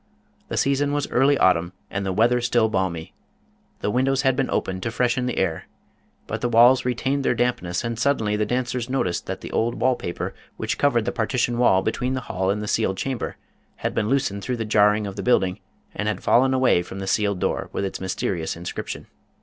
The season was early autumn and the weather still balmy. The windows had been opened to freshen the air. But the walls retained their dampness and suddenly the dancers noticed that the old wall paper which covered the partition wall between the hall and the sealed chamber had been loosened through the jarring of the building, and had fallen away from the sealed door with its mysterious inscription.